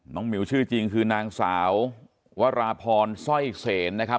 หมิวชื่อจริงคือนางสาววราพรสร้อยเสนนะครับ